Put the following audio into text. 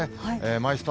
マイスタ